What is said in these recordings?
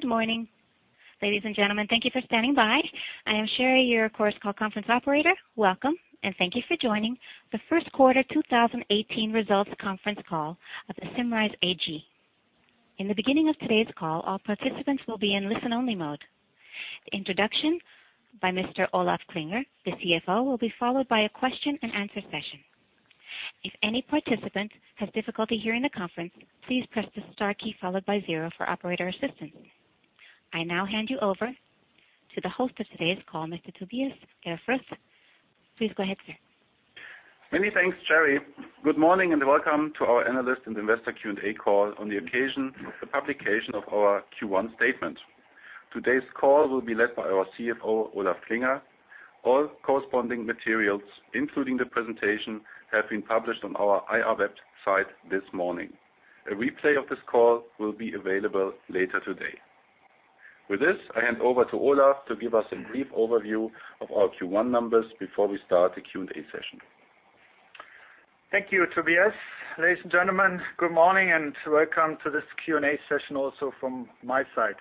Good morning, ladies and gentlemen. Thank you for standing by. I am Sherry, your Chorus Call conference operator. Welcome, and thank you for joining the first quarter 2018 results conference call of the Symrise AG. In the beginning of today's call, all participants will be in listen-only mode. The introduction by Mr. Olaf Klinger, the CFO, will be followed by a question-and-answer session. If any participant has difficulty hearing the conference, please press the star key followed by zero for operator assistance. I now hand you over to the host of today's call, Mr. Tobias Geifers. Please go ahead, sir. Many thanks, Sherry. Good morning, and welcome to our analyst and investor Q&A call on the occasion of the publication of our Q1 statement. Today's call will be led by our CFO, Olaf Klinger. All corresponding materials, including the presentation, have been published on our IR website this morning. A replay of this call will be available later today. With this, I hand over to Olaf to give us a brief overview of our Q1 numbers before we start the Q&A session. Thank you, Tobias. Ladies and gentlemen, good morning and welcome to this Q&A session also from my side.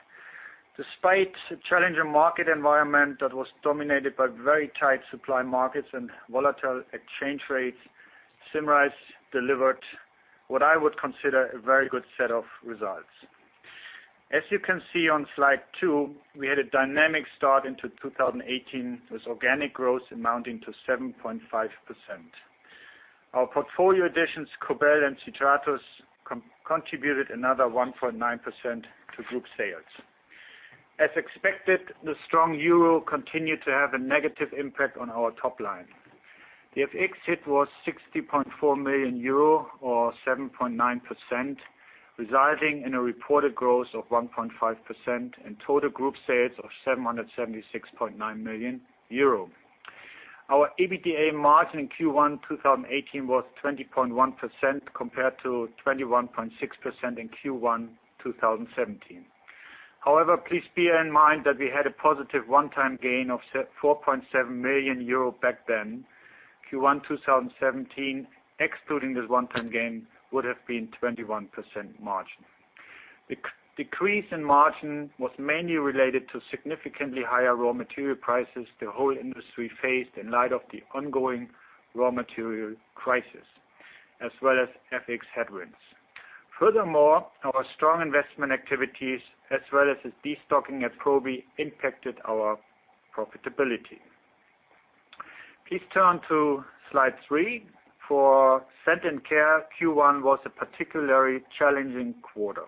Despite a challenging market environment that was dominated by very tight supply markets and volatile exchange rates, Symrise delivered what I would consider a very good set of results. As you can see on slide two, we had a dynamic start into 2018 with organic growth amounting to 7.5%. Our portfolio additions, Cobell and Citratus, contributed another 1.9% to group sales. As expected, the strong euro continued to have a negative impact on our top line. The FX hit was 60.4 million euro or 7.9%, resulting in a reported growth of 1.5% and total group sales of 776.9 million euro. Our EBITDA margin in Q1 2018 was 20.1% compared to 21.6% in Q1 2017. However, please bear in mind that we had a positive one-time gain of 4.7 million euro back then, Q1 2017. Excluding this one-time gain, would have been 21% margin. The decrease in margin was mainly related to significantly higher raw material prices the whole industry faced in light of the ongoing raw material crisis, as well as FX headwinds. Furthermore, our strong investment activities as well as the de-stocking at Probi impacted our profitability. Please turn to slide three. For Scent & Care, Q1 was a particularly challenging quarter.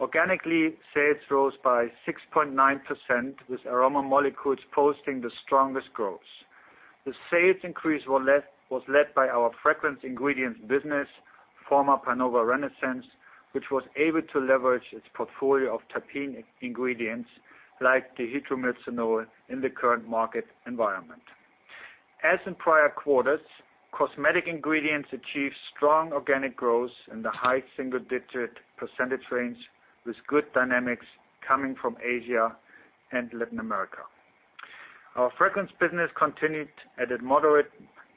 Organically, sales rose by 6.9% with aroma molecules posting the strongest growth. The sales increase was led by our fragrance ingredients business, former Pinova Holdings, which was able to leverage its portfolio of terpene ingredients like the dihydromyrcenol in the current market environment. As in prior quarters, cosmetic ingredients achieved strong organic growth in the high single-digit percentage range with good dynamics coming from Asia and Latin America. Our fragrance business continued at a moderate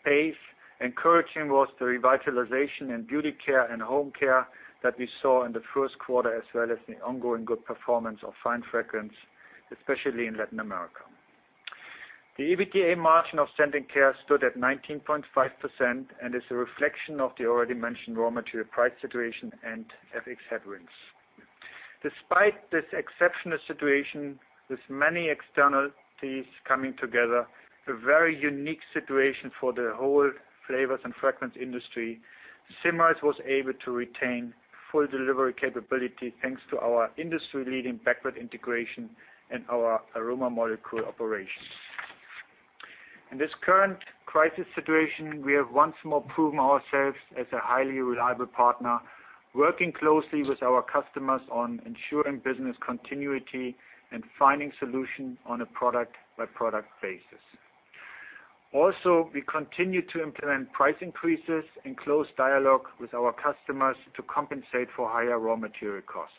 pace. Encouraging was the revitalization in beauty care and home care that we saw in the first quarter, as well as the ongoing good performance of fine fragrance, especially in Latin America. The EBITDA margin of Scent & Care stood at 19.5% and is a reflection of the already mentioned raw material price situation and FX headwinds. Despite this exceptional situation, with many externalities coming together, a very unique situation for the whole flavors and fragrance industry, Symrise was able to retain full delivery capability thanks to our industry-leading backward integration and our aroma molecule operations. In this current crisis situation, we have once more proven ourselves as a highly reliable partner, working closely with our customers on ensuring business continuity and finding solution on a product-by-product basis. Also, we continue to implement price increases in close dialogue with our customers to compensate for higher raw material cost.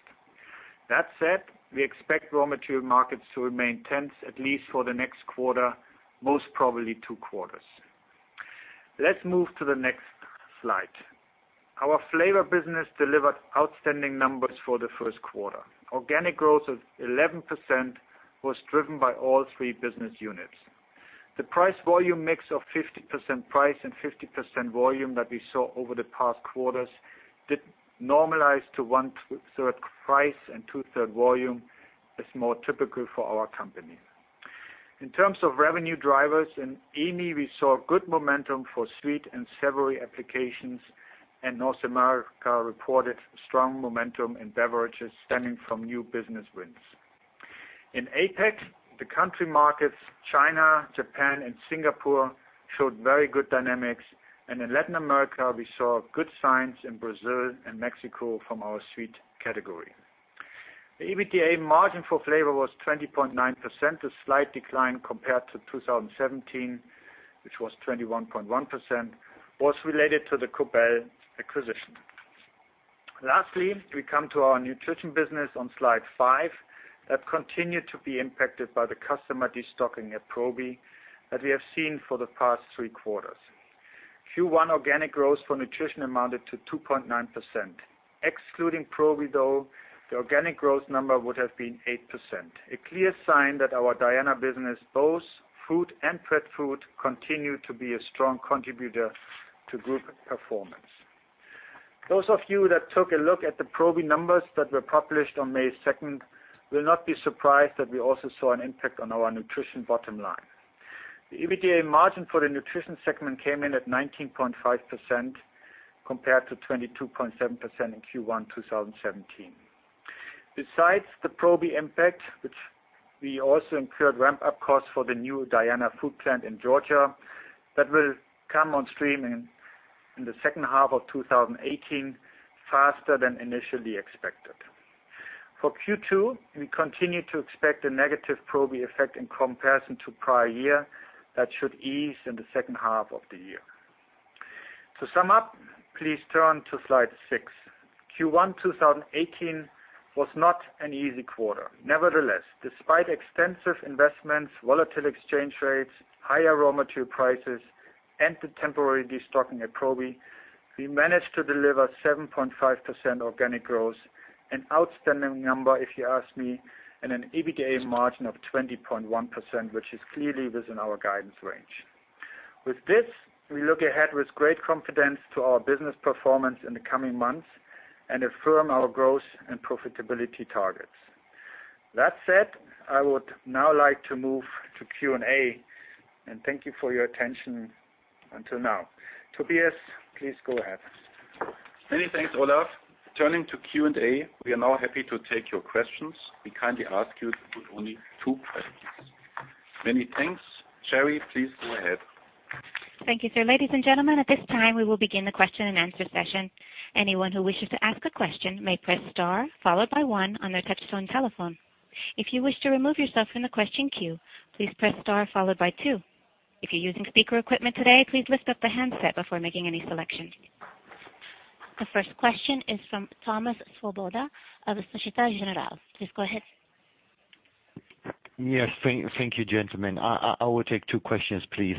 That said, we expect raw material markets to remain tense, at least for the next quarter, most probably two quarters. Let's move to the next slide. Our flavor business delivered outstanding numbers for the first quarter. Organic growth of 11% was driven by all three business units. The price-volume mix of 50% price and 50% volume that we saw over the past quarters did normalize to one-third price and two-third volume is more typical for our company. In terms of revenue drivers, in EAME, we saw good momentum for sweet and savory applications, and North America reported strong momentum in beverages stemming from new business wins. In APAC, the country markets China, Japan, and Singapore showed very good dynamics, and in Latin America, we saw good signs in Brazil and Mexico from our sweet category. The EBITDA margin for flavor was 20.9%, a slight decline compared to 2017, which was 21.1%, was related to the Cobell acquisition. Lastly, we come to our nutrition business on slide five that continued to be impacted by the customer de-stocking at Probi that we have seen for the past three quarters. Q1 organic growth for nutrition amounted to 2.9%. Excluding Probi, though, the organic growth number would have been 8%, a clear sign that our Diana business, both food and pet food, continue to be a strong contributor to group performance. Those of you that took a look at the Probi numbers that were published on May 2nd will not be surprised that we also saw an impact on our nutrition bottom line. The EBITDA margin for the nutrition segment came in at 19.5% compared to 22.7% in Q1 2017. Besides the Probi impact, which we also incurred ramp-up costs for the new Diana food plant in Georgia that will come on stream in the second half of 2018, faster than initially expected. For Q2, we continue to expect a negative Probi effect in comparison to prior year that should ease in the second half of the year. To sum up, please turn to slide six. Q1 2018 was not an easy quarter. Nevertheless, despite extensive investments, volatile exchange rates, high raw material prices, and the temporary destocking at Probi, we managed to deliver 7.5% organic growth, an outstanding number if you ask me, and an EBITDA margin of 20.1%, which is clearly within our guidance range. With this, we look ahead with great confidence to our business performance in the coming months and affirm our growth and profitability targets. That said, I would now like to move to Q&A. Thank you for your attention until now. Tobias, please go ahead. Many thanks, Olaf. Turning to Q&A, we are now happy to take your questions. We kindly ask you to put only two questions. Many thanks. Sherry, please go ahead. Thank you, sir. Ladies and gentlemen, at this time, we will begin the question and answer session. Anyone who wishes to ask a question may press star followed by one on their touch-tone telephone. If you wish to remove yourself from the question queue, please press star followed by two. If you're using speaker equipment today, please lift up the handset before making any selection. The first question is from Thomas Swoboda of Société Générale. Please go ahead. Yes. Thank you, gentlemen. I will take two questions, please.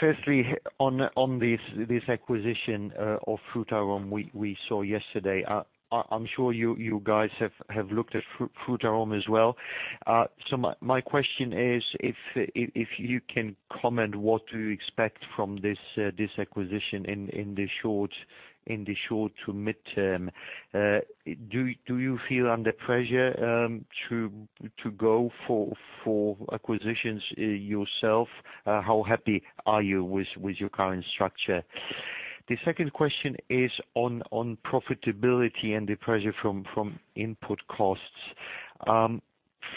Firstly, on this acquisition of Frutarom we saw yesterday, I'm sure you guys have looked at Frutarom as well. My question is if you can comment, what do you expect from this acquisition in the short to midterm? Do you feel under pressure to go for acquisitions yourself? How happy are you with your current structure? The second question is on profitability and the pressure from input costs.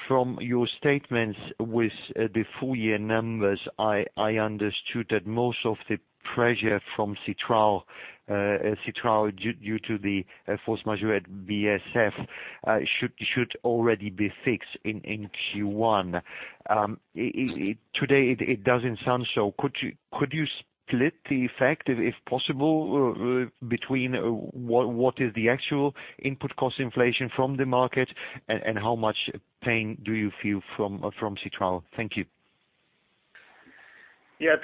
From your statements with the full-year numbers, I understood that most of the pressure from citral due to the force majeure at BASF should already be fixed in Q1. Today, it doesn't sound so. Could you split the effect, if possible, between what is the actual input cost inflation from the market and how much pain do you feel from citral? Thank you.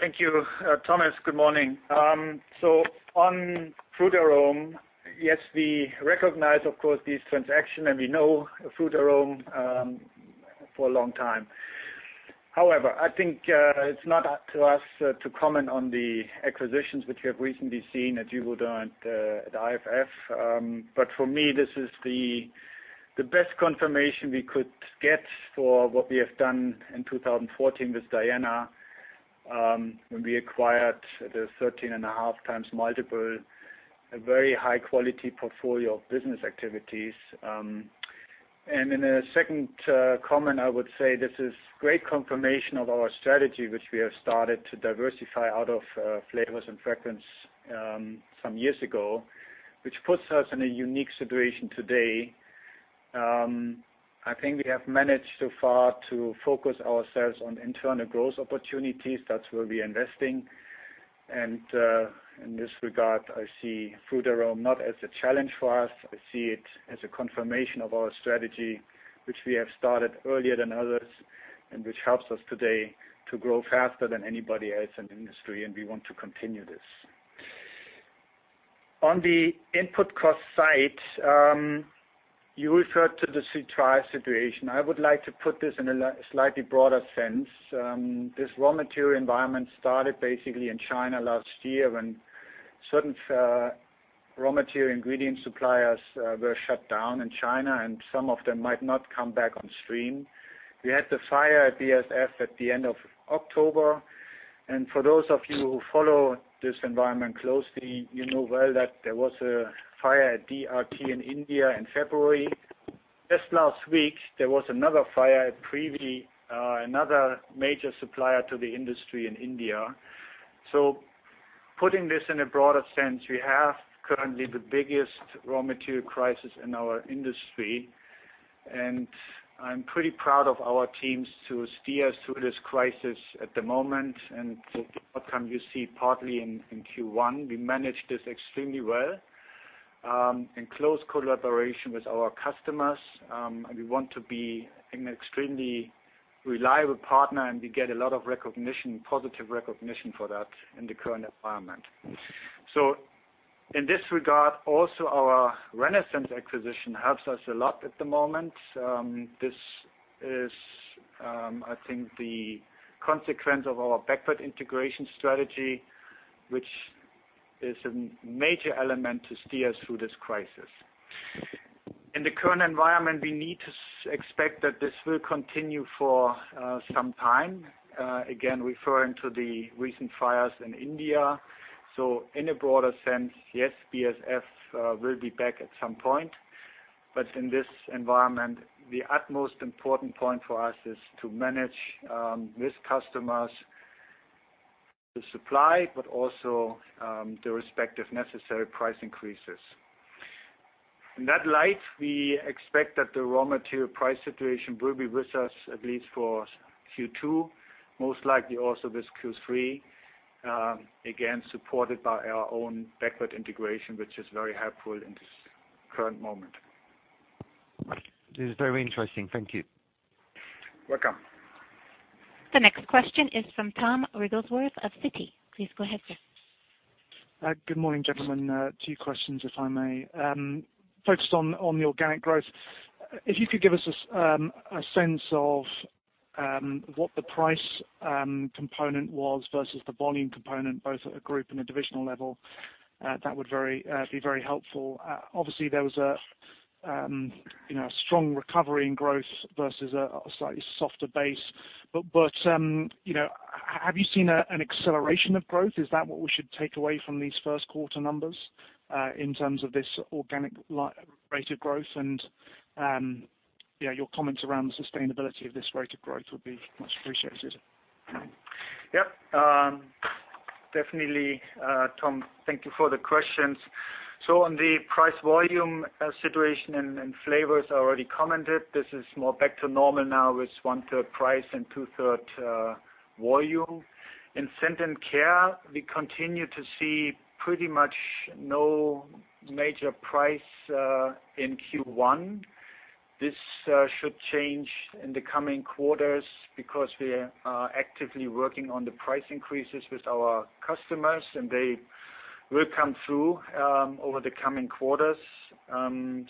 Thank you. Thomas, good morning. On Frutarom, yes, we recognize, of course, this transaction, and we know Frutarom for a long time. However, I think it's not up to us to comment on the acquisitions which we have recently seen at Givaudan and at IFF. For me, this is the best confirmation we could get for what we have done in 2014 with Diana, when we acquired the 13.5x multiple, a very high-quality portfolio of business activities. In a second comment, I would say this is great confirmation of our strategy, which we have started to diversify out of flavors and fragrance some years ago, which puts us in a unique situation today. I think we have managed so far to focus ourselves on internal growth opportunities. That's where we are investing. In this regard, I see Frutarom not as a challenge for us. I see it as a confirmation of our strategy, which we have started earlier than others and which helps us today to grow faster than anybody else in the industry. We want to continue this. On the input cost side, you referred to the citral situation. I would like to put this in a slightly broader sense. This raw material environment started basically in China last year when certain raw material ingredient suppliers were shut down in China, and some of them might not come back on stream. We had the fire at BASF at the end of October, and for those of you who follow this environment closely, you know well that there was a fire at DRT in India in February. Just last week, there was another fire at Privi, another major supplier to the industry in India. Putting this in a broader sense, we have currently the biggest raw material crisis in our industry. I'm pretty proud of our teams to steer through this crisis at the moment and the outcome you see partly in Q1. We managed this extremely well. In close collaboration with our customers, we want to be an extremely reliable partner, and we get a lot of positive recognition for that in the current environment. In this regard, also our Renessenz acquisition helps us a lot at the moment. This is, I think, the consequence of our backward integration strategy, which is a major element to steer through this crisis. In the current environment, we need to expect that this will continue for some time, again, referring to the recent fires in India. In a broader sense, yes, BASF will be back at some point. In this environment, the utmost important point for us is to manage with customers the supply, but also the respective necessary price increases. In that light, we expect that the raw material price situation will be with us at least for Q2, most likely also with Q3, again, supported by our own backward integration, which is very helpful in this current moment. This is very interesting. Thank you. Welcome. The next question is from Tom Wrigglesworth of Citi. Please go ahead, sir. Good morning, gentlemen. Two questions, if I may. Focused on the organic growth, if you could give us a sense of what the price component was versus the volume component, both at a group and a divisional level, that would be very helpful. Obviously, there was a strong recovery in growth versus a slightly softer base. Have you seen an acceleration of growth? Is that what we should take away from these first quarter numbers in terms of this organic rate of growth? Your comments around the sustainability of this rate of growth would be much appreciated. Yep. Definitely. Tom, thank you for the questions. On the price-volume situation in flavors, I already commented this is more back to normal now with one-third price and two-third volume. In Scent & Care, we continue to see pretty much no major price in Q1. This should change in the coming quarters because we are actively working on the price increases with our customers, they will come through over the coming quarters. Q1,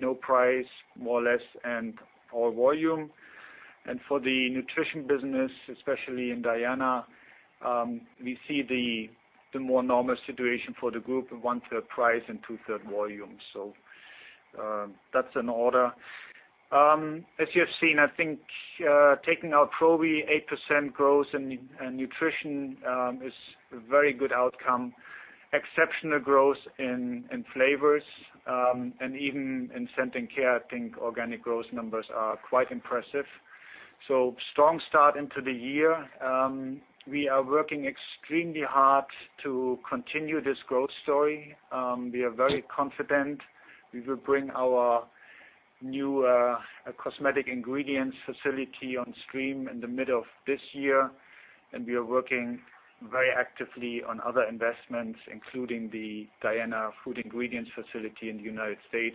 no price, more or less, all volume. For the Nutrition business, especially in Diana, we see the more normal situation for the group of one-third price and two-third volume. That's in order. As you have seen, I think, taking out Probi, 8% growth in Nutrition is a very good outcome, exceptional growth in flavors. Even in Scent & Care, I think organic growth numbers are quite impressive. Strong start into the year. We are working extremely hard to continue this growth story. We are very confident we will bring our new cosmetic ingredients facility on stream in the middle of this year, we are working very actively on other investments, including the Diana Food Ingredients facility in the U.S.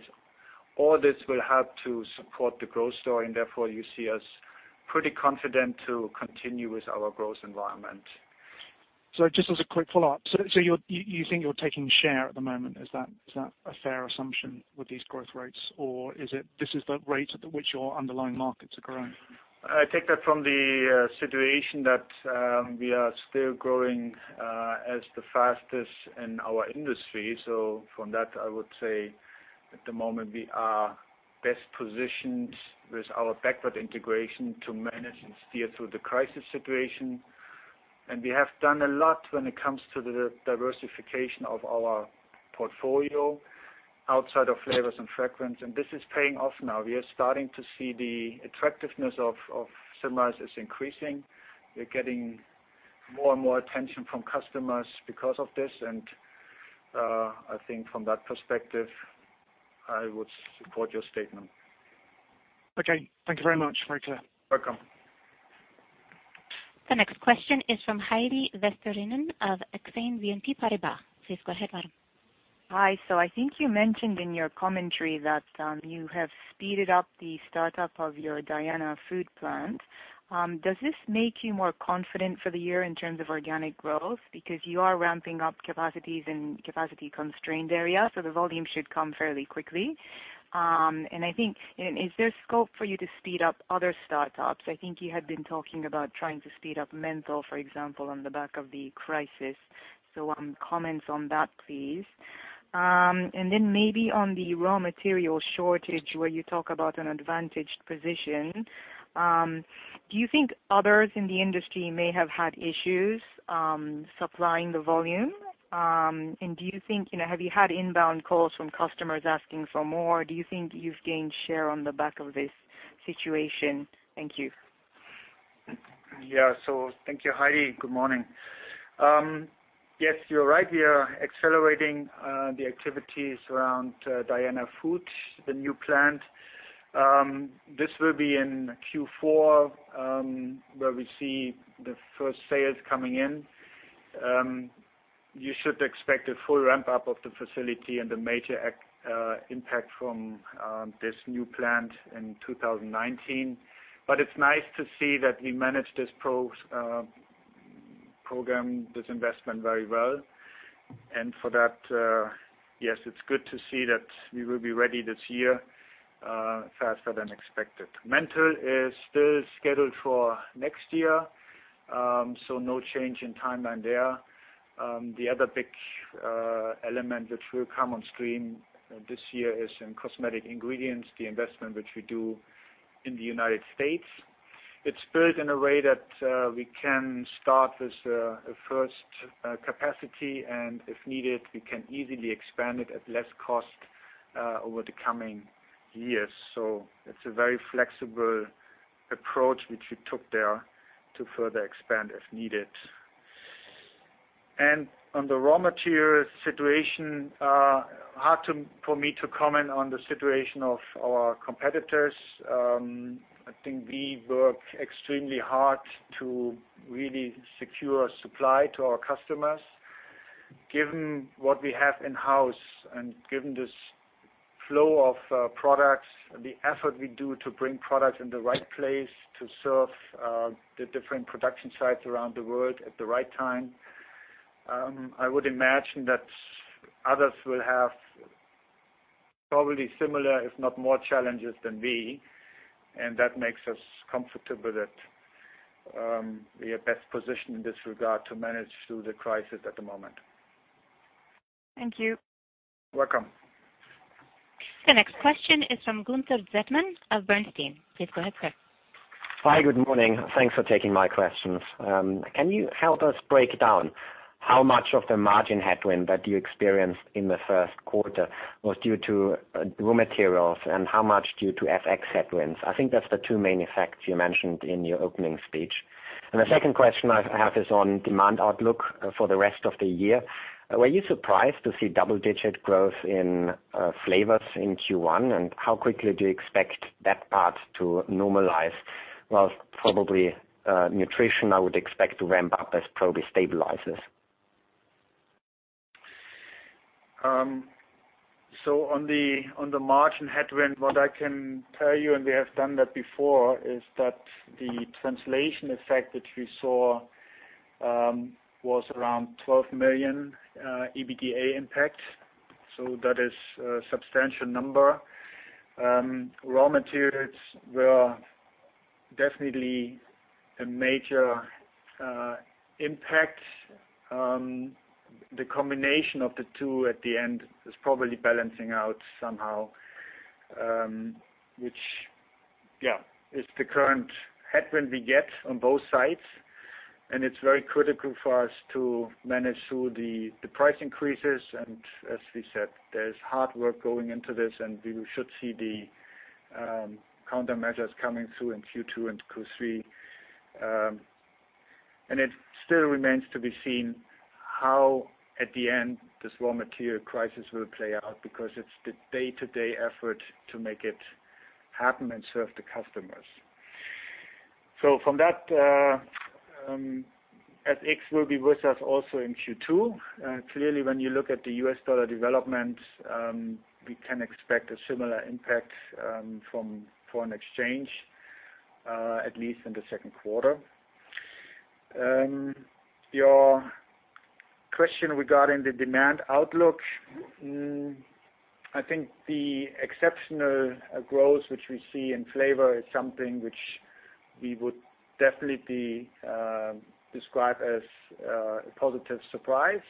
All this will help to support the growth story, therefore you see us pretty confident to continue with our growth environment. Just as a quick follow-up. You think you're taking share at the moment. Is that a fair assumption with these growth rates, or this is the rate at which your underlying markets are growing? I take that from the situation that we are still growing as the fastest in our industry. From that, I would say at the moment, we are best positioned with our backward integration to manage and steer through the crisis situation. We have done a lot when it comes to the diversification of our portfolio outside of flavors and fragrance, this is paying off now. We are starting to see the attractiveness of Symrise is increasing. We're getting more and more attention from customers because of this, I think from that perspective, I would support your statement. Okay. Thank you very much. Very clear. Welcome. The next question is from Heidi Vesterinen of Exane BNP Paribas. Please go ahead, madam. Hi. I think you mentioned in your commentary that you have speeded up the startup of your Diana Food plant. Does this make you more confident for the year in terms of organic growth? You are ramping up capacities in capacity-constrained areas, the volume should come fairly quickly. I think, is there scope for you to speed up other startups? I think you had been talking about trying to speed up menthol, for example, on the back of the crisis. Comments on that, please. Then maybe on the raw material shortage where you talk about an advantaged position, do you think others in the industry may have had issues supplying the volume? Have you had inbound calls from customers asking for more? Do you think you've gained share on the back of this situation? Thank you. Thank you, Heidi. Good morning. Yes, you're right. We are accelerating the activities around Diana Food, the new plant. This will be in Q4 where we see the first sales coming in. You should expect a full ramp-up of the facility and a major impact from this new plant in 2019. It's nice to see that we managed this program, this investment very well. For that, yes, it's good to see that we will be ready this year, faster than expected. Menthol is still scheduled for next year, no change in timeline there. The other big element which will come on stream this year is in cosmetic ingredients, the investment which we do in the U.S. It's built in a way that we can start with a first capacity, and if needed, we can easily expand it at less cost over the coming years. It's a very flexible approach which we took there to further expand if needed. On the raw material situation, hard for me to comment on the situation of our competitors. We work extremely hard to really secure supply to our customers. Given what we have in-house and given this flow of products, the effort we do to bring products in the right place to serve the different production sites around the world at the right time, I would imagine that others will have probably similar, if not more challenges than we, that makes us comfortable that we are best positioned in this regard to manage through the crisis at the moment. Thank you. Welcome. The next question is from Gunther Zechmann of Bernstein. Please go ahead, sir. Hi. Good morning. Thanks for taking my questions. Can you help us break down how much of the margin headwind that you experienced in the first quarter was due to raw materials and how much due to FX headwinds? I think that's the two main effects you mentioned in your opening speech. The second question I have is on demand outlook for the rest of the year. Were you surprised to see double-digit growth in flavors in Q1? How quickly do you expect that part to normalize? While probably, nutrition, I would expect to ramp up as Probi stabilizes. On the margin headwind, what I can tell you, and we have done that before, is that the translation effect which we saw was around 12 million EBITDA impact. That is a substantial number. Raw materials were definitely a major impact. The combination of the two at the end is probably balancing out somehow, which, yeah, is the current headwind we get on both sides, and it's very critical for us to manage through the price increases. As we said, there is hard work going into this, and we should see the countermeasures coming through in Q2 and Q3. It still remains to be seen how, at the end, this raw material crisis will play out, because it's the day-to-day effort to make it happen and serve the customers. From that, FX will be with us also in Q2. Clearly, when you look at the U.S. dollar development, we can expect a similar impact from foreign exchange, at least in the second quarter. Your question regarding the demand outlook, I think the exceptional growth which we see in flavor is something which we would definitely describe as a positive surprise.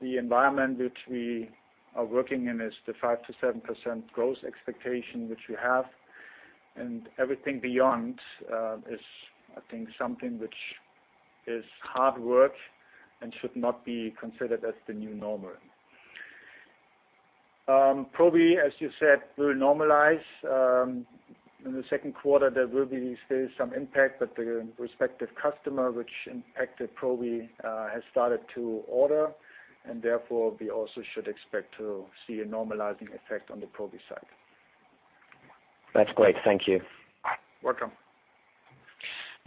The environment which we are working in is the 5%-7% growth expectation which we have, everything beyond is, I think, something which is hard work and should not be considered as the new normal. Probi, as you said, will normalize. In the second quarter, there will be still some impact, but the respective customer which impacted Probi has started to order, therefore we also should expect to see a normalizing effect on the Probi side. That's great. Thank you. Welcome.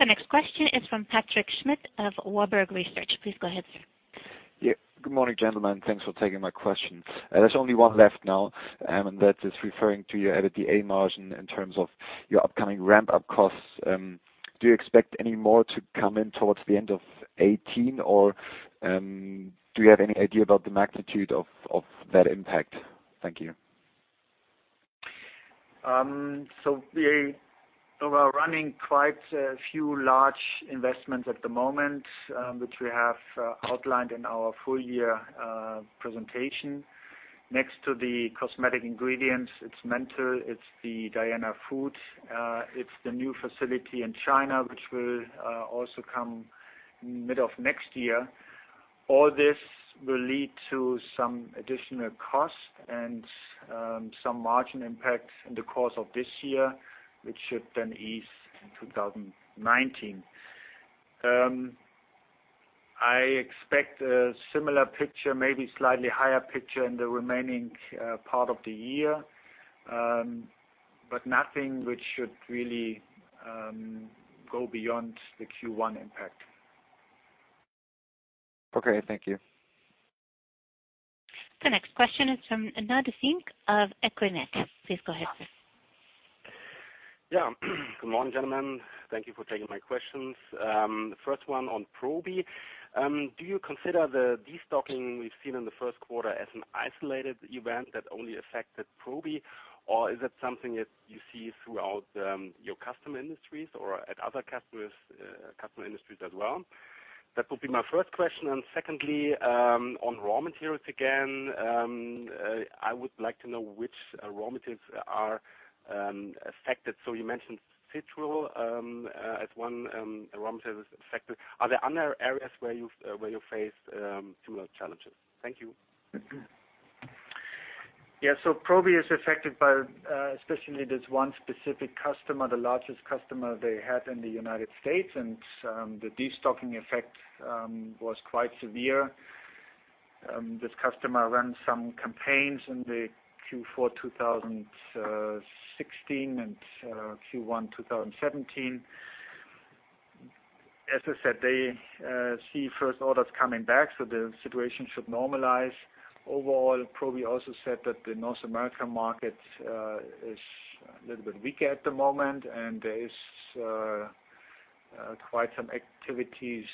The next question is from Patrick Schmidt of Warburg Research. Please go ahead, sir. Good morning, gentlemen. Thanks for taking my question. There's only one left now, that is referring to your EBITDA margin in terms of your upcoming ramp-up costs. Do you expect any more to come in towards the end of 2018, or do you have any idea about the magnitude of that impact? Thank you. We are running quite a few large investments at the moment, which we have outlined in our full-year presentation. Next to the cosmetic ingredients, it's menthol, it's the Diana Food, it's the new facility in China, which will also come mid of next year. All this will lead to some additional costs and some margin impact in the course of this year, which should then ease in 2019. I expect a similar picture, maybe a slightly higher picture in the remaining part of the year but nothing which should really go beyond the Q1 impact. Okay, thank you. The next question is from Nadasin of Equinet. Please go ahead, sir. Good morning, gentlemen. Thank you for taking my questions. The first one on Probi. Do you consider the de-stocking we've seen in the first quarter as an isolated event that only affected Probi, or is that something that you see throughout your custom industries or at other customer industries as well? That would be my first question. Secondly, on raw materials again, I would like to know which raw materials are affected. You mentioned citral as one raw material affected. Are there other areas where you face similar challenges? Thank you. Yeah. Probi is affected by, especially this one specific customer, the largest customer they had in the U.S. The de-stocking effect was quite severe. This customer ran some campaigns in the Q4 2016 and Q1 2017. As I said, they see first orders coming back. The situation should normalize. Overall, Probi also said that the North American market is a little bit weaker at the moment. There is quite some activities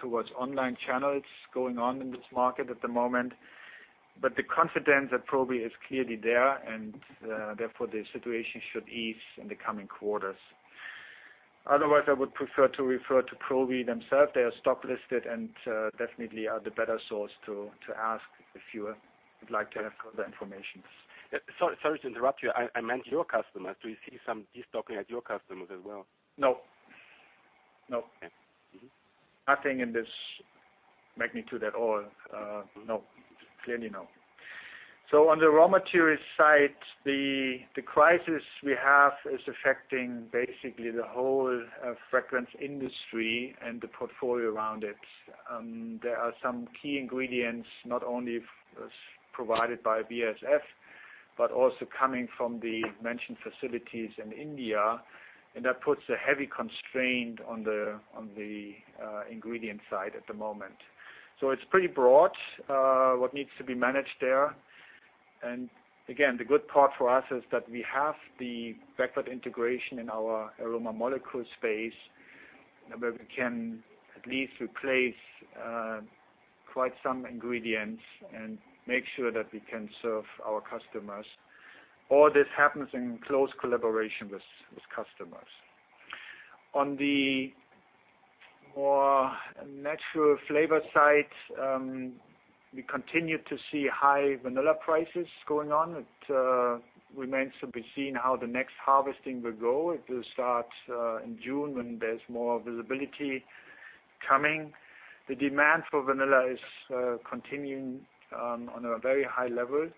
towards online channels going on in this market at the moment. The confidence at Probi is clearly there. Therefore, the situation should ease in the coming quarters. Otherwise, I would prefer to refer to Probi themselves. They are stock listed and definitely are the better source to ask if you would like to have further information. Sorry to interrupt you. I meant your customers. Do you see some de-stocking at your customers as well? No. Okay. Nothing in this magnitude at all. No. Clearly no. On the raw materials side, the crisis we have is affecting basically the whole fragrance industry and the portfolio around it. There are some key ingredients, not only provided by BASF, but also coming from the mentioned facilities in India. That puts a heavy constraint on the ingredient side at the moment. It's pretty broad, what needs to be managed there. Again, the good part for us is that we have the backward integration in our aroma molecule space, where we can at least replace quite some ingredients and make sure that we can serve our customers. All this happens in close collaboration with customers. On the more natural flavor side, we continue to see high vanilla prices going on. It remains to be seen how the next harvesting will go. It will start in June when there's more visibility coming. The demand for vanilla is continuing on a very high level.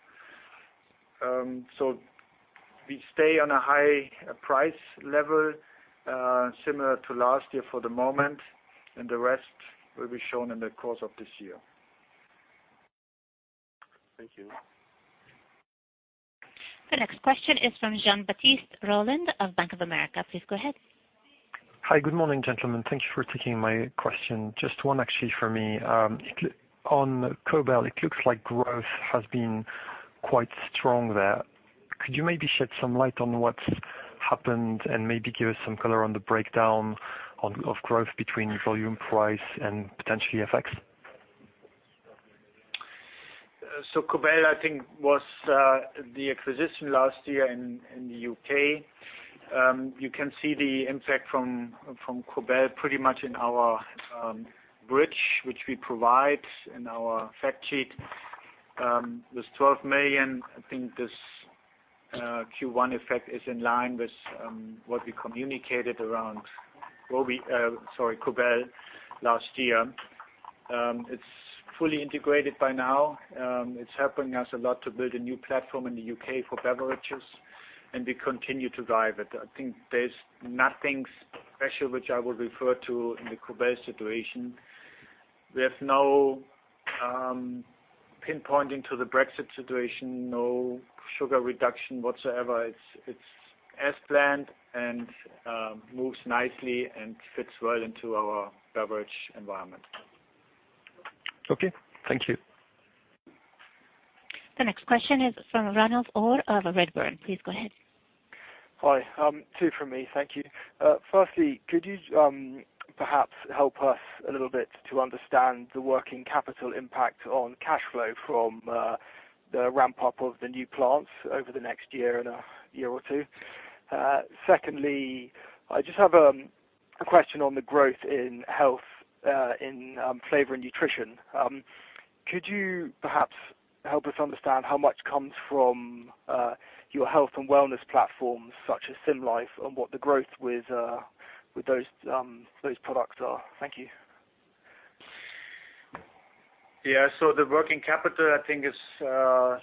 We stay on a high price level, similar to last year for the moment. The rest will be shown in the course of this year. Thank you. The next question is from Jean-Baptiste Rolland of Bank of America. Please go ahead. Hi. Good morning, gentlemen. Thank you for taking my question. Just one actually for me. On Cobell, it looks like growth has been quite strong there. Could you maybe shed some light on what's happened and maybe give us some color on the breakdown of growth between volume price and potentially FX? Cobell, I think, was the acquisition last year in the U.K. You can see the impact from Cobell pretty much in our bridge, which we provide in our fact sheet. This 12 million, I think this Q1 effect is in line with what we communicated around Cobell last year. It's fully integrated by now. It's helping us a lot to build a new platform in the U.K. for beverages, and we continue to drive it. I think there's nothing special which I would refer to in the Cobell situation. We have no pinpointing to the Brexit situation, no sugar reduction whatsoever. It's as planned and moves nicely and fits well into our beverage environment. Okay. Thank you. The next question is from Ranulf Orr of Redburn. Please go ahead. Hi. Two from me. Thank you. Firstly, could you perhaps help us a little bit to understand the working capital impact on cash flow from the ramp-up of the new plants over the next year and a year or two? Secondly, I just have a question on the growth in health, in flavor and nutrition. Could you perhaps help us understand how much comes from your health and wellness platforms, such as SymLife and what the growth with those products are? Thank you. Yeah. The working capital, I think, is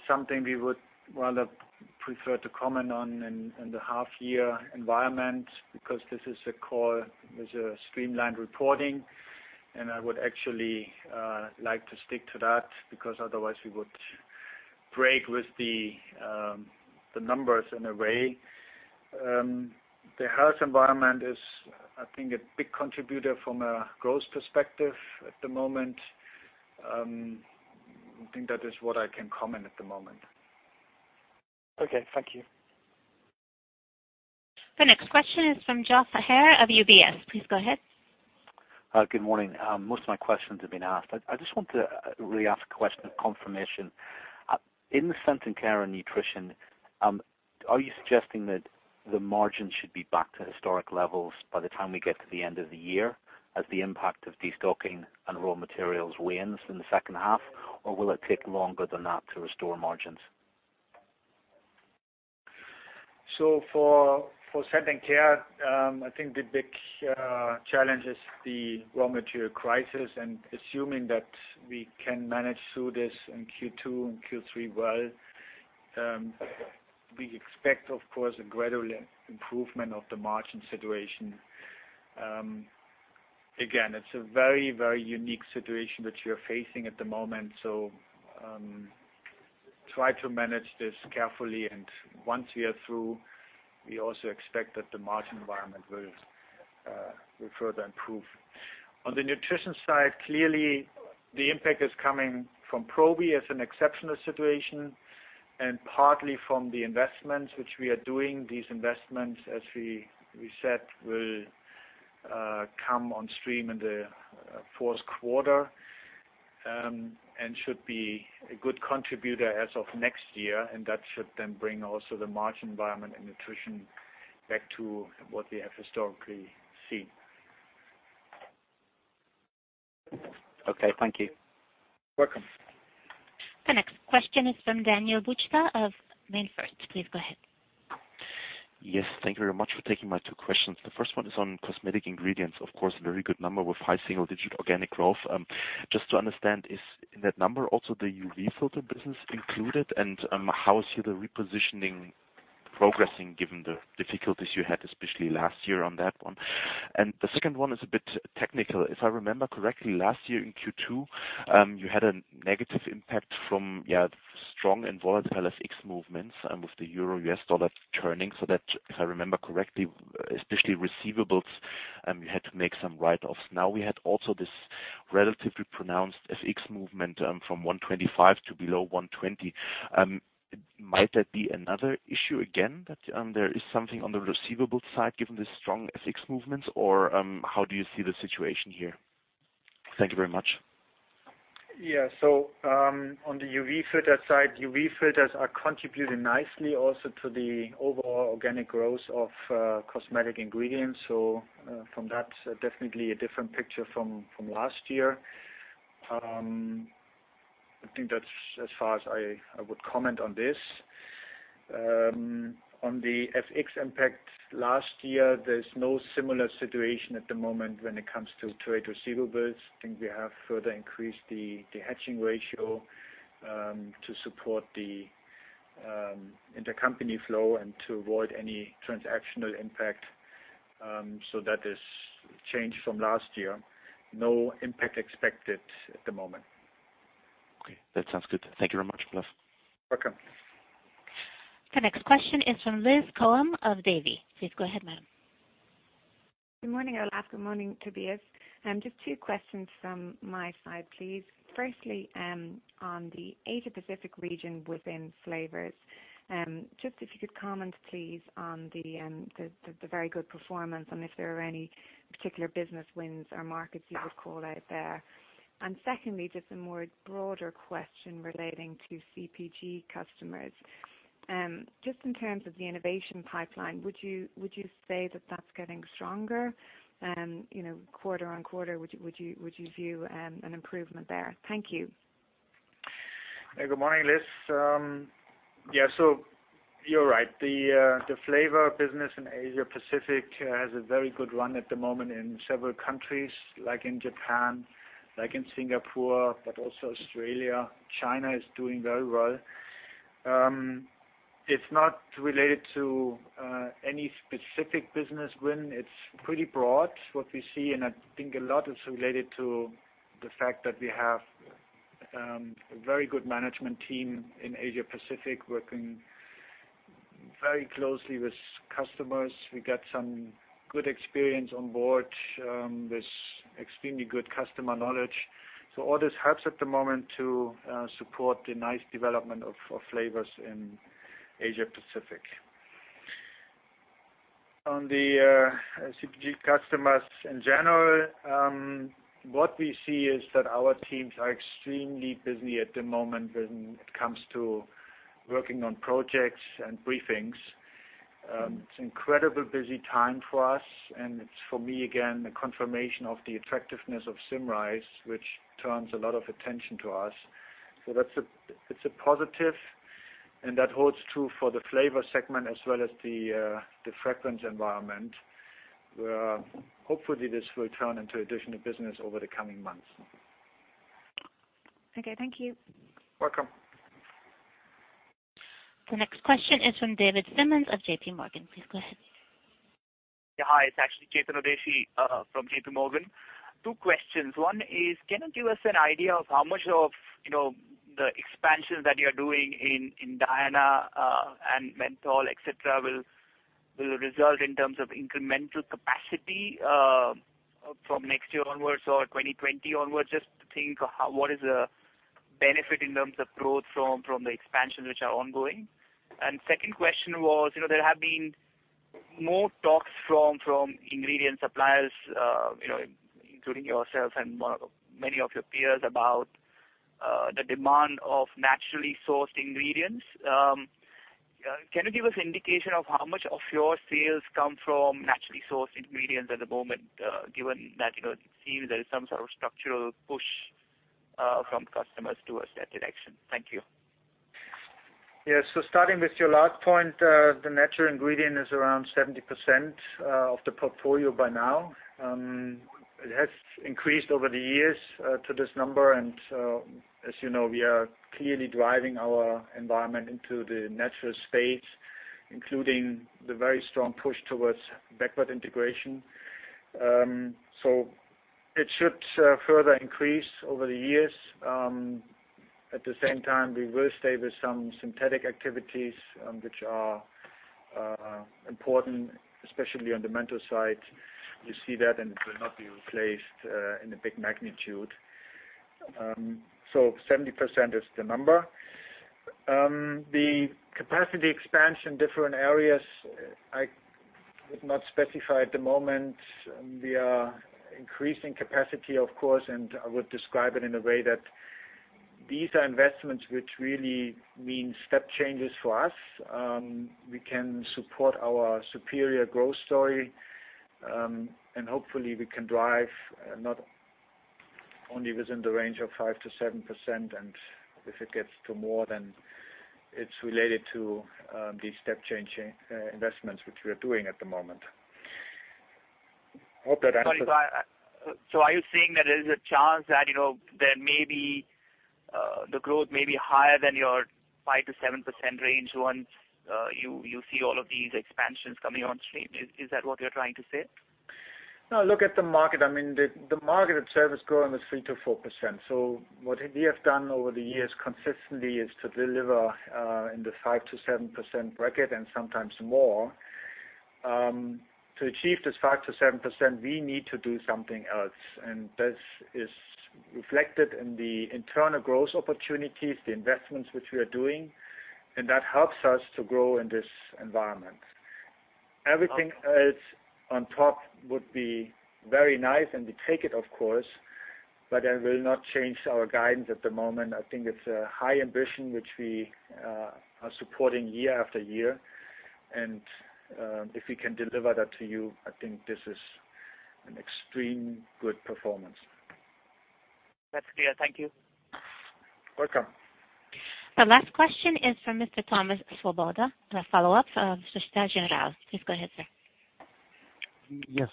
something we would rather prefer to comment on in the half year environment, because this is a call, this is a streamlined reporting, and I would actually like to stick to that because otherwise we would break with the numbers in a way. The Health environment is, I think, a big contributor from a growth perspective at the moment. I think that is what I can comment at the moment. Okay. Thank you. The next question is from Joss Aher of UBS. Please go ahead. Good morning. Most of my questions have been asked. I just want to really ask a question of confirmation. In the Scent & Care and Nutrition, are you suggesting that the margins should be back to historic levels by the time we get to the end of the year as the impact of destocking and raw materials wanes in the second half? Or will it take longer than that to restore margins? For Scent & Care, I think the big challenge is the raw material crisis, and assuming that we can manage through this in Q2 and Q3 well, we expect, of course, a gradual improvement of the margin situation. Again, it's a very, very unique situation that we are facing at the moment, so try to manage this carefully, and once we are through, we also expect that the margin environment will further improve. On the Nutrition side, clearly the impact is coming from Probi as an exceptional situation and partly from the investments which we are doing. These investments, as we said, will come on stream in the fourth quarter and should be a good contributor as of next year, and that should then bring also the margin environment and Nutrition back to what we have historically seen. Okay. Thank you. Welcome. The next question is from Daniel Buchta of MainFirst. Please go ahead. Yes. Thank you very much for taking my two questions. The first one is on Cosmetic Ingredients. Of course, very good number with high single-digit organic growth. How is the repositioning progressing given the difficulties you had, especially last year on that one? Just to understand, is, in that number, also the UV filter business included? The second one is a bit technical. If I remember correctly, last year in Q2, you had a negative impact from strong and volatile FX movements and with the euro-U.S. dollar turning so that, if I remember correctly, especially receivables, you had to make some write-offs. Now we had also this relatively pronounced FX movement from 125 to below 120. Might that be another issue again, that there is something on the receivables side given the strong FX movements? Or how do you see the situation here? Thank you very much. Yeah. On the UV filter side, UV filters are contributing nicely also to the overall organic growth of Cosmetic Ingredients. From that, definitely a different picture from last year. I think that's as far as I would comment on this. On the FX impact last year, there's no similar situation at the moment when it comes to trade receivables. I think we have further increased the hedging ratio to support the intercompany flow and to avoid any transactional impact. That has changed from last year. No impact expected at the moment. Okay, that sounds good. Thank you very much, Olaf. Welcome. The next question is from Elizabeth Colbert of Davy. Please go ahead, madam. Good morning, Olaf. Good morning, Tobias. Just two questions from my side, please. Firstly, on the Asia Pacific region within Flavors, just if you could comment please on the very good performance and if there are any particular business wins or markets you would call out there. Secondly, just a more broader question relating to CPG customers. Just in terms of the innovation pipeline, would you say that that's getting stronger quarter-on-quarter? Would you view an improvement there? Thank you. Good morning, Liz. Yeah, you're right. The flavor business in Asia Pacific has a very good run at the moment in several countries like in Japan, like in Singapore, but also Australia. China is doing very well. It's not related to any specific business win. It's pretty broad what we see, and I think a lot is related to the fact that we have a very good management team in Asia Pacific working very closely with customers. We got some good experience on board with extremely good customer knowledge. All this helps at the moment to support the nice development of Flavors in Asia Pacific. On the CPG customers in general, what we see is that our teams are extremely busy at the moment when it comes to working on projects and briefings. It's incredibly busy time for us, and it's for me, again, a confirmation of the attractiveness of Symrise, which turns a lot of attention to us. It's a positive. That holds true for the flavor segment as well as the fragrance environment, where hopefully this will turn into additional business over the coming months. Okay. Thank you. Welcome. The next question is from Chetan Udasi of J.P. Morgan. Please go ahead. Yeah. Hi. It's actually Chetan Udasi from J.P. Morgan. Two questions. One is, can you give us an idea of how much of the expansions that you're doing in Diana and menthol, et cetera, will result in terms of incremental capacity from next year onwards or 2020 onwards? Just to think of what is the benefit in terms of growth from the expansions which are ongoing. Second question was, there have been more talks from ingredient suppliers, including yourself and many of your peers, about the demand of naturally sourced ingredients. Can you give us indication of how much of your sales come from naturally sourced ingredients at the moment, given that it seems there is some sort of structural push from customers towards that direction? Thank you. Yes. Starting with your last point, the natural ingredient is around 70% of the portfolio by now. It has increased over the years to this number. As you know, we are clearly driving our environment into the natural space, including the very strong push towards backward integration. It should further increase over the years. At the same time, we will stay with some synthetic activities, which are important, especially on the menthol side. You see that. It will not be replaced in a big magnitude. 70% is the number. The capacity expansion, different areas, I would not specify at the moment. We are increasing capacity, of course. I would describe it in a way that these are investments which really mean step changes for us. We can support our superior growth story. Hopefully, we can drive not only within the range of 5%-7%. If it gets to more, it's related to these step change investments, which we are doing at the moment. Hope that answers. Sorry. Are you saying that there is a chance that maybe the growth may be higher than your 5%-7% range once you see all of these expansions coming on stream? Is that what you're trying to say? No, look at the market. I mean, the market itself is growing at 3%-4%. What we have done over the years consistently is to deliver in the 5%-7% bracket and sometimes more. To achieve this 5%-7%, we need to do something else, and this is reflected in the internal growth opportunities, the investments which we are doing. That helps us to grow in this environment. Everything else on top would be very nice. We take it, of course, but I will not change our guidance at the moment. I think it's a high ambition, which we are supporting year after year. If we can deliver that to you, I think this is an extreme good performance. That's clear. Thank you. Welcome. The last question is from Mr. Thomas Swoboda, a follow-up of Société Générale. Please go ahead, sir.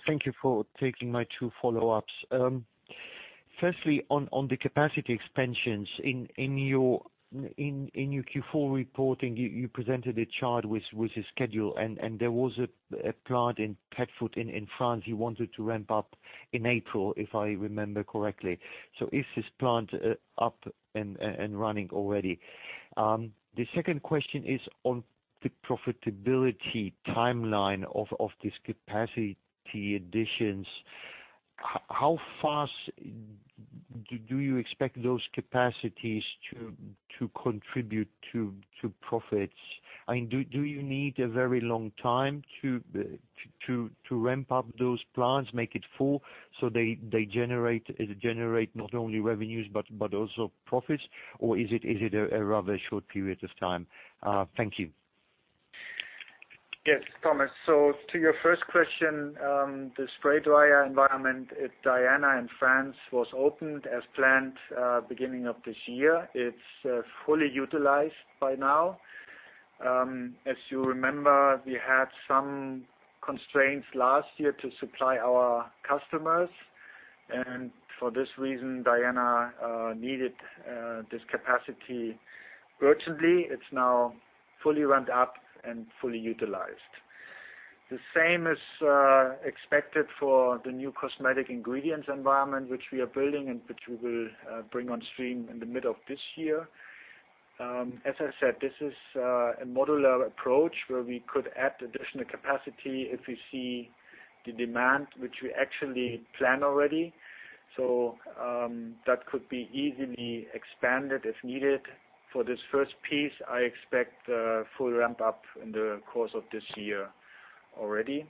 Thank you for taking my two follow-ups. Firstly, on the capacity expansions. In your Q4 reporting, you presented a chart with a schedule. There was a plant in Pétonfol in France you wanted to ramp up in April, if I remember correctly. Is this plant up and running already? The second question is on the profitability timeline of these capacity additions. How fast do you expect those capacities to contribute to profits? Do you need a very long time to ramp up those plants, make it full, so they generate not only revenues but also profits, or is it a rather short period of time? Thank you. Thomas. To your first question, the spray dryer environment at Diana in France was opened as planned, beginning of this year. It's fully utilized by now. As you remember, we had some constraints last year to supply our customers. For this reason, Diana needed this capacity urgently. It's now fully ramped up and fully utilized. The same is expected for the new cosmetic ingredients environment, which we are building and which we will bring on stream in the middle of this year. As I said, this is a modular approach where we could add additional capacity if we see the demand, which we actually plan already. That could be easily expanded if needed. For this first piece, I expect a full ramp-up in the course of this year already.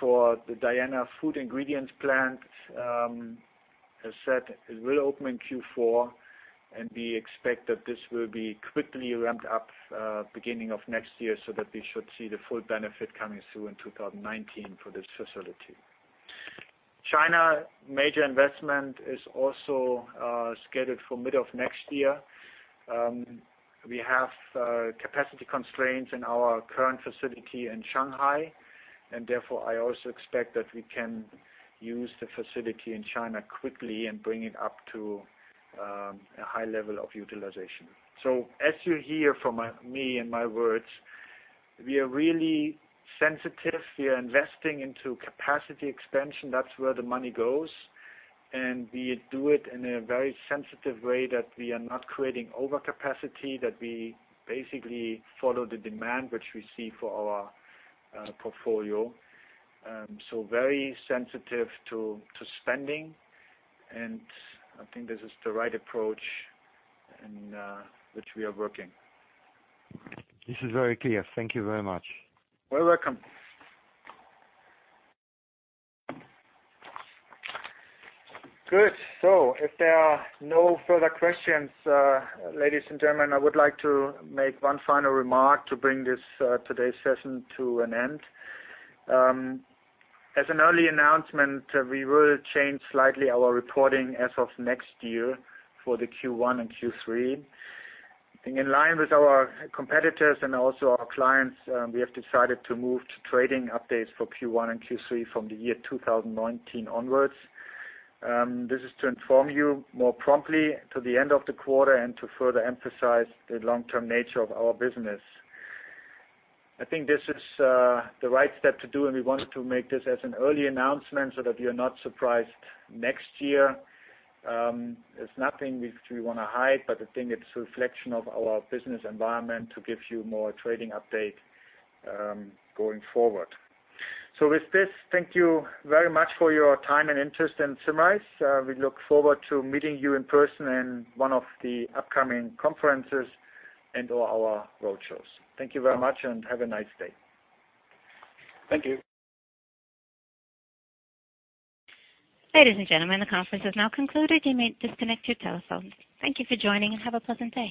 For the Diana Food Ingredients plant, as said, it will open in Q4, and we expect that this will be quickly ramped up, beginning of next year, so that we should see the full benefit coming through in 2019 for this facility. China major investment is also scheduled for middle of next year. We have capacity constraints in our current facility in Shanghai, and therefore, I also expect that we can use the facility in China quickly and bring it up to a high level of utilization. As you hear from me and my words, we are really sensitive. We are investing into capacity expansion. That's where the money goes, and we do it in a very sensitive way that we are not creating overcapacity, that we basically follow the demand which we see for our portfolio. Very sensitive to spending, and I think this is the right approach in which we are working. This is very clear. Thank you very much. You're welcome. Good. If there are no further questions, ladies and gentlemen, I would like to make one final remark to bring today's session to an end. As an early announcement, we will change slightly our reporting as of next year for the Q1 and Q3. In line with our competitors and also our clients, we have decided to move to trading updates for Q1 and Q3 from the year 2019 onwards. This is to inform you more promptly to the end of the quarter and to further emphasize the long-term nature of our business. I think this is the right step to do, and we wanted to make this as an early announcement so that you're not surprised next year. It's nothing which we want to hide, but I think it's a reflection of our business environment to give you more trading update going forward. With this, thank you very much for your time and interest in Symrise. We look forward to meeting you in person in one of the upcoming conferences and/or our roadshows. Thank you very much and have a nice day. Thank you. Ladies and gentlemen, the conference has now concluded. You may disconnect your telephones. Thank you for joining and have a pleasant day.